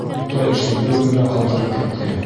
Бөтә эште бер үҙемә ҡалдырып китте.